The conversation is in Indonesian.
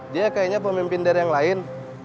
dia kayaknya pemimpin dari yang lain